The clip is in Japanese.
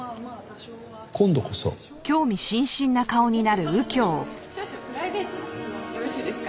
少々プライベートな質問よろしいですか？